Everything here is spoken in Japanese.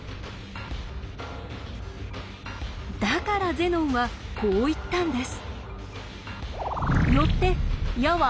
だからゼノンはこう言ったんです。